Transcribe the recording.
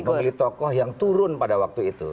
memilih tokoh yang turun pada waktu itu